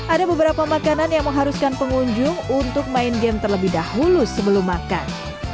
ada beberapa makanan yang mengharuskan pengunjung untuk main game terlebih dahulu sebelum makan